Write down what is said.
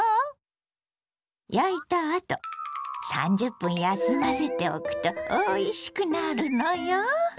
焼いたあと３０分休ませておくとおいしくなるのよ！